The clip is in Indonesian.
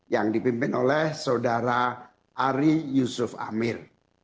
yang dipimpin oleh saudara ari yusuf amir